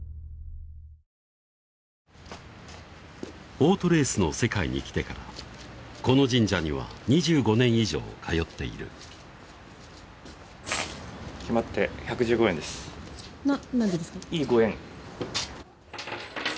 オートレースの世界に来てからこの神社には２５年以上通っている何でですか？